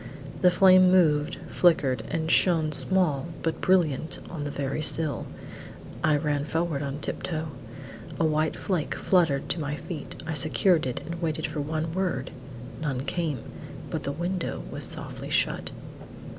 The flame moved, flickered, and shone small but brilliant on the very sill. I ran forward on tip toe. A white flake fluttered to my feet. I secured it and waited for one word; none came; but the window was softly shut.